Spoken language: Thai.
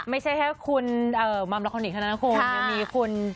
ไม่ใช่แค่คุณมัมละคอนิกส์นะครับคุณ